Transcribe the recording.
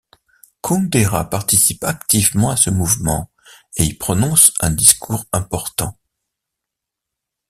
Kundera participe activement à ce mouvement et y prononce un discours important.